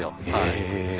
へえ。